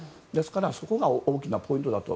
そこが大きなポイントだと。